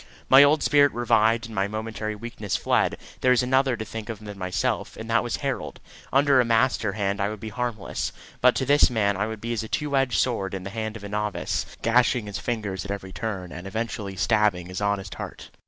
My old spirit revived, and my momentary weakness fled. There was another to think of than myself, and that was Harold. Under a master hand I would be harmless; but to this man I would be as a two edged sword in the hand of a novice gashing his fingers at every turn, and eventually stabbing his honest heart.